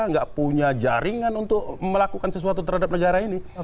nggak punya jaringan untuk melakukan sesuatu terhadap negara ini